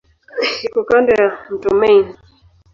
Iko kando ya mto Main.